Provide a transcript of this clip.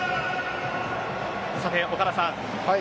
さて、岡田さん。